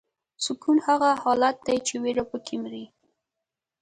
سکون هغه حالت دی چې ویره پکې مري.